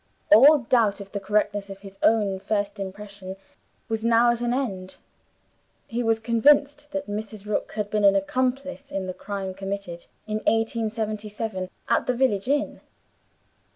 All doubt of the correctness of his own first impression was now at an end; he was convinced that Mrs. Rook had been an accomplice in the crime committed, in 1877, at the village inn.